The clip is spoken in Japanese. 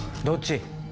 どっち？